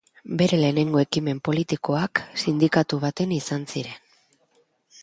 Bere lehenengo ekimen politikoak sindikatu batean izan ziren.